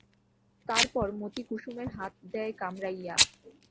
তারপর মতি কুসুমের হাত দেয় কামড়াইয়া।